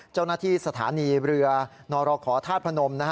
เจ้านาทีสถานีเรือนรขธาพนม